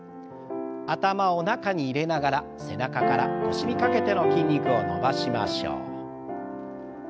頭を中に入れながら背中から腰にかけての筋肉を伸ばしましょう。